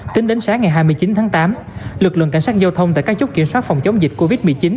tính đến sáng ngày hai mươi chín tháng tám lực lượng cảnh sát giao thông tại các chốt kiểm soát phòng chống dịch covid một mươi chín